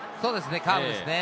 カーブですね。